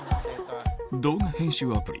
動画編集アプリ